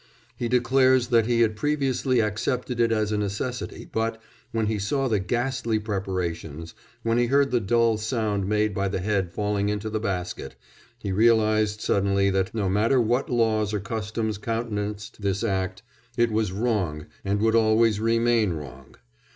He declares that he had previously accepted it as a necessity, but, when he saw the ghastly preparations, when he heard the dull sound made by the head falling into the basket, he realised suddenly that, no matter what laws or customs countenanced this act, it was wrong and would always remain wrong.